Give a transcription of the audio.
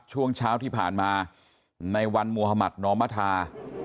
ช่วงเช้าที่ผ่านมาในวันมุธมัธนอมธา